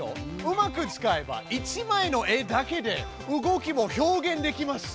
うまく使えば１枚の絵だけで動きも表現できます。